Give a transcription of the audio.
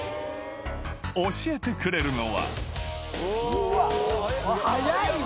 教えてくれるのは・速いわ！